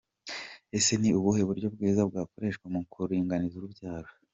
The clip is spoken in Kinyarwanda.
Ese ni ubuhe buryo bwiza bwakoreshwa mu kuringaniza urubyaro?.